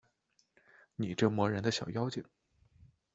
你这磨人的小妖精